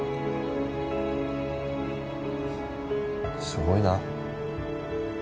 すごいな。